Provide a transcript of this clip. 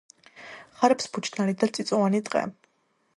ხარობს ბუჩქნარი და წიწვოვანი ტყე.